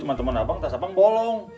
temen temen abang tas abang bolong